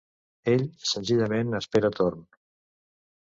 Ell, senzillament, espera torn.